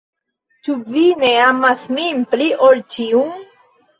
Ĉu vi ne amas min pli ol ĉiun?